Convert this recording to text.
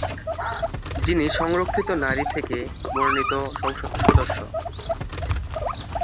যিনি সংরক্ষিত নারী থেকে মনোনীত সংসদ সদস্য।